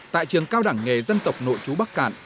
tại trường cao đẳng nghề dân tộc nội chú bắc cạn